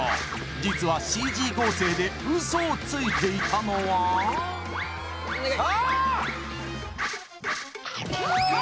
実はＣＧ合成でウソをついていたのはお願い！